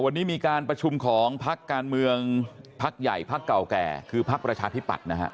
วันนี้มีการประชุมของพักการเมืองพักใหญ่พักเก่าแก่คือพักประชาธิปัตย์นะฮะ